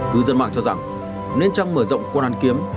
cứ dân mạng cho rằng nên chăng mở rộng quận hoàn kiếm